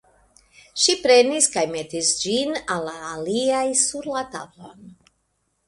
Ŝi prenis kaj metis ĝin al la aliaj sur la tablon.